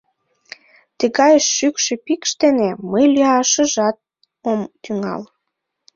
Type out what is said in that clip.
— Тыгай шӱкшӧ пикш дене мый лӱяшыжат ом тӱҥал!